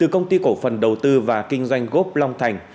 của phần đầu tư và kinh doanh gốc long thành